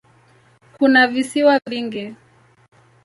Kuna visiwa vingi.